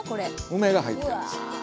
梅が入ってます。